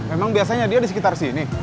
emang biasanya dia di sekitar sini